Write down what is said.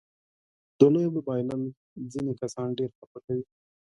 د لوبې بایلل ځينې کسان ډېر خپه کوي.